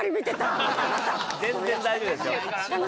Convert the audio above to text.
全然大丈夫ですよ